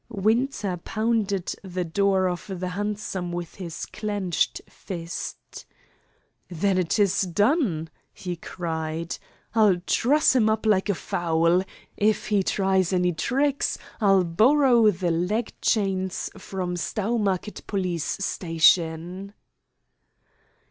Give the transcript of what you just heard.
Winter pounded the door of the hansom with his clenched fist "Then it is done!" he cried. "I'll truss him up like a fowl. If he tries any tricks I'll borrow the leg chains from Stowmarket police station."